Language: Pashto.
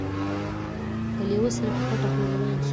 له لېوه سره په پټه خوله روان سو